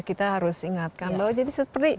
kita harus ingatkan bahwa jadi seperti